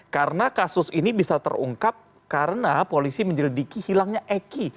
karena kasus ini bisa terungkap karena polisi menjelidiki hilangnya eki